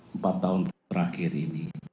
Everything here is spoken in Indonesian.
empat tahun terakhir ini